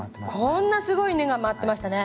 こんなすごい根が回ってましたね。